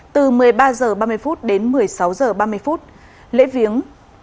từ một mươi ba h ba mươi phút đến một mươi sáu h ba mươi phút lễ viếng